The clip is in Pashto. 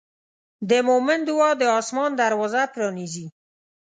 د مؤمن دعا د آسمان دروازه پرانیزي.